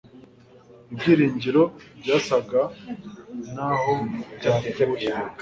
ibyiringiro byasaga naho byapfuye